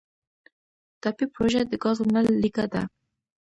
ټاپي پروژه د ګازو نل لیکه ده